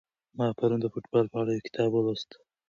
ما پرون د فوټبال په اړه یو کتاب ولوست.